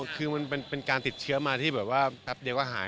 คือมันเป็นการติดเชื้อมาที่แบบว่าแป๊บเดียวก็หาย